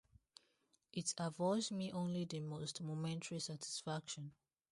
It affords me only the most momentary satisfaction.